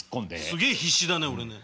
すげえ必死だね俺ね。